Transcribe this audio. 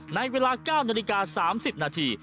ในเวลา๙นาฬิกา๓๐นาที